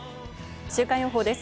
週間予報です。